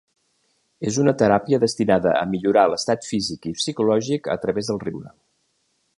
És una teràpia destinada a millorar l'estat físic i psicològic a través del riure.